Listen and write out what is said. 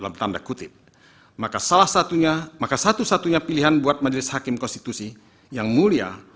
maka satu satunya pilihan buat majelis hakim konstitusi yang mulia